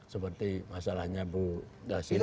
seperti masalahnya bu dasirfi